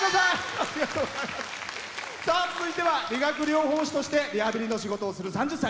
続いては理学療法士としてリハビリの仕事をする３０歳。